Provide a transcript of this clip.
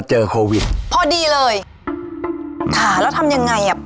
เจอโควิดพอดีเลยค่ะแล้วทำยังไงอ่ะ